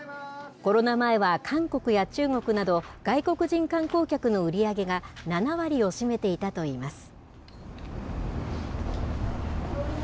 コロナ前は韓国や中国など、外国人観光客の売り上げが７割を占めていたといいます。